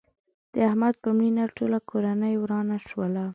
د احمد په مړینه ټوله کورنۍ ورانه شوله.